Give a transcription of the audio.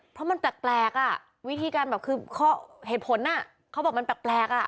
เพราะมันแปลกวิธีการเหตุผลเค้าบอกมันแปลก